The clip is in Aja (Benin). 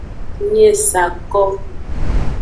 Nyi e sa ko.